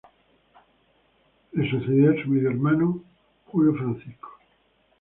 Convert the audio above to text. Le sucedió su medio hermano Julio Francisco.